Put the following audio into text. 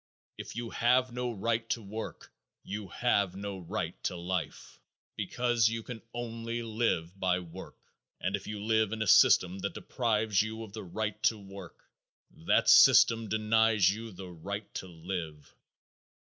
If you have no right to work you have no right to life because you can only live by work. And if you live in a system that deprives you of the right to work, that system denies you the right to live.